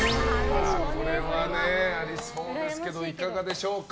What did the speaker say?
これはありそうですけどいかがでしょうか。